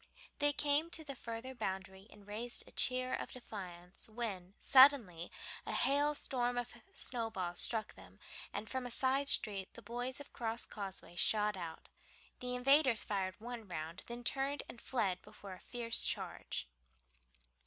They came to the further boundary and raised a cheer of defiance, when suddenly a hail storm of snowballs struck them, and from a side street the boys of the Crosscauseway shot out. The invaders fired one round, then turned and fled before a fierce charge.